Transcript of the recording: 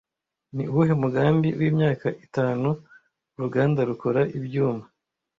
Ni uwuhe mugambi wimyaka itanu uruganda rukora ibyuma